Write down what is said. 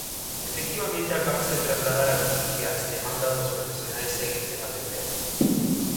Efectivamente, acábase de trasladar aquí que as demandas dos profesionais seguen sen atender.